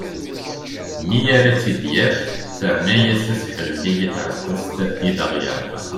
Mi ara tt-id-yaf terna-yas aseḥlelli i tεekkazt i d aɣ-yerqa.